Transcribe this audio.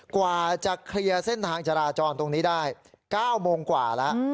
กว่าจะเคลียร์เส้นทางจราจรตรงนี้ได้๙โมงกว่าแล้ว